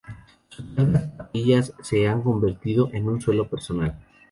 Sus largas patillas se han convertido en su sello personal.